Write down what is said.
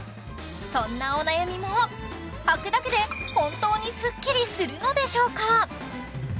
そんなお悩みもはくだけで本当にスッキリするのでしょうか？